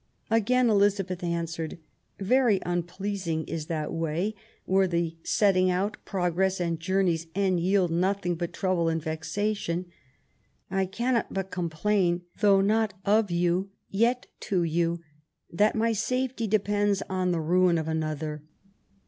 Again Elizabeth answered: "Very un pleasing is that way, where the setting out, progress and journey's end yield nothing but trouble and vexation. I cannot but complain, though not of you, yet to you, that my safety depends on the ruin of another."